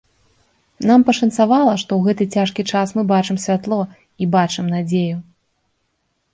Нам пашанцавала, што ў гэты цяжкі час мы бачым святло і бачым надзею.